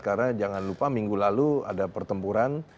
karena jangan lupa minggu lalu ada pertempuran